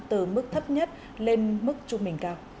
từ mức thấp nhất lên mức trung bình cao